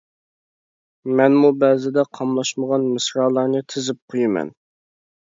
مەنمۇ بەزىدە قاملاشمىغان مىسرالارنى تىزىپ قويىمەن.